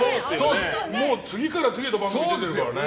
もう次から次へと番組に出てるからね。